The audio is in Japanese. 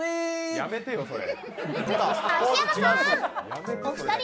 やめてよ、それ！